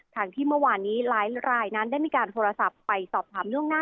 ทางที่เมื่อวานนี้หลายรายนั้นได้มีการโทรศัพท์ไปสอบถามล่วงหน้า